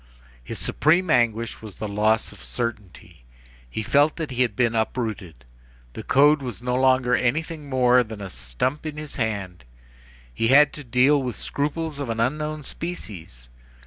His supreme anguish was the loss of certainty. He felt that he had been uprooted. The code was no longer anything more than a stump in his hand. He had to deal with scruples of an unknown species.